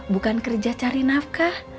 bukan kerja cari nafkah